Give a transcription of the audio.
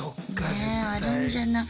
ねえあるんじゃない？